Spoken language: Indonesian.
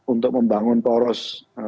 untuk membangun poros